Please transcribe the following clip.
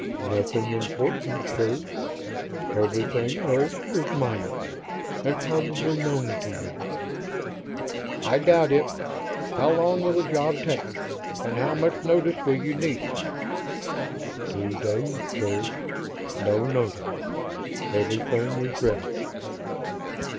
"Nothing important, sir. Everything else is minor, and probably known to you." "I doubt it. How long will the job take, and how much notice will you need?" "Two days, sir. No notice. Everything is ready."